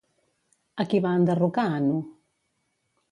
A qui va enderrocar Anu?